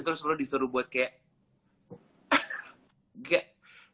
terus lo disuruh buat kayak gak